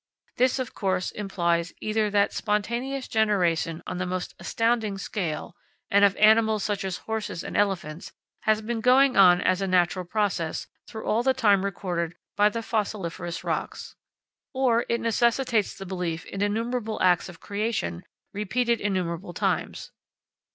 This, of course, implies either that spontaneous generation on the most astounding scale, and of animals such as horses and elephants, has been going on, as a natural process, through all the time recorded by the fossiliferous rocks; or it necessitates the belief in innumerable acts of creation repeated innumerable times.